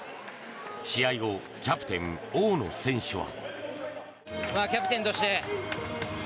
試合後キャプテン大野選手は。